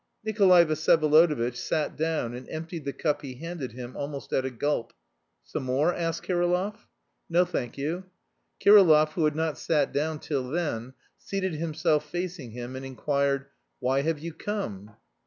Nikolay Vsyevolodovitch sat down and emptied the cup he handed him almost at a gulp. "Some more?" asked Kirillov. "No, thank you." Kirillov, who had not sat down till then, seated himself facing him, and inquired: "Why have you come?"